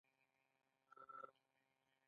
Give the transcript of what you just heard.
سلام یاره سنګه یی ؟